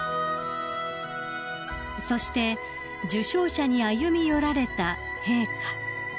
［そして受章者に歩み寄られた陛下］